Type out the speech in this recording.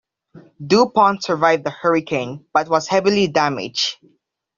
"Du Pont" survived the hurricane, but was heavily damaged.